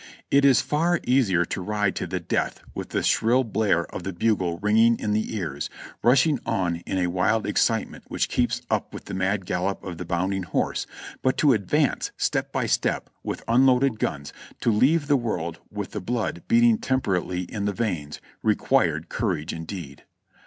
It is far easier to ride to the death with the shrill blare of the bugle ringing in the ears, rushing on in a wild excitement which keeps up with the mad gallop of the bounding horse; but to advance step by step with unloaded guns, to leave the world with the blood beating temperately in the veins, required courage indeed.